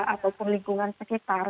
ataupun lingkungan sekitar